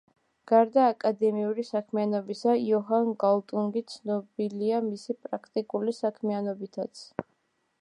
გარდა აკადემიური საქმიანობისა იოჰან გალტუნგი ცნობილია მისი პრაქტიკული საქმიანობითაც.